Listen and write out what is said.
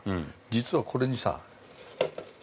実はこれにさ